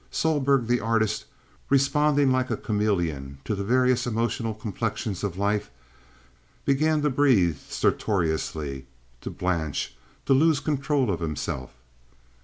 Sohlberg the artist, responding like a chameleon to the various emotional complexions of life, began to breathe stertorously, to blanch, to lose control of himself.